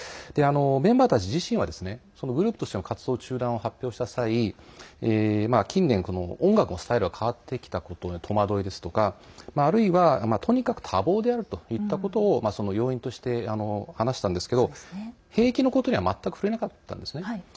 メンバーたち自身はそのグループとしての活動中断を発表した際近年、音楽のスタイルが変わってきたことへの戸惑いですとかあるいは、とにかく多忙であるといったことを要因として話したんですけど兵役のことには全く触れなかったんですね。